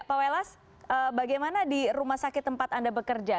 pak welas bagaimana di rumah sakit tempat anda bekerja